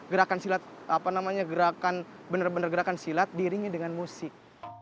gerakan silat apa namanya gerakan benar benar gerakan silat diiringi dengan musik